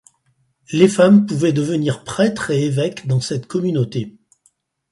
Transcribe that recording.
Les femmes pouvaient devenir prêtres et évêques dans cette communauté.